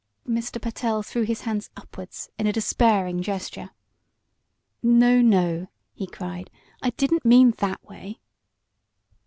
Mr. Pertell threw his hands upwards in a despairing gesture. "No no!" he cried. "I didn't mean that way."